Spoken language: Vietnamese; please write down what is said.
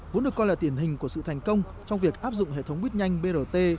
vốn được coi là tiển hình của sự thành công trong việc áp dụng hệ thống quyết nhanh brt